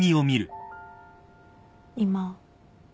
今。